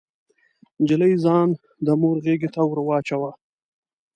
نجلۍ ځان د مور غيږې ته ور واچاوه.